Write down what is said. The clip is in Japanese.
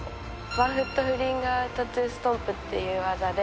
ワンフットフリングアウトトゥストンプっていう技で。